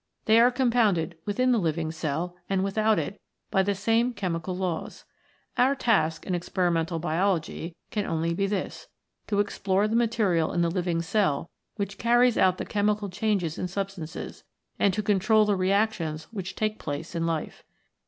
They are compounded within the living cell and without it by the same chemical laws. Our task in experimental Biology can only be this, to explore the material in the living cell which carries out the chemical changes in sub stances, and to control the reactions which take place in Life.